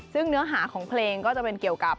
ซึ่งเนื้อหาของเพลงก็จะเป็นเกี่ยวกับ